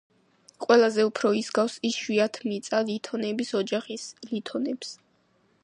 ყველაზე უფრო ის გავს იშვიათმიწა ლითონების ოჯახის ლითონებს.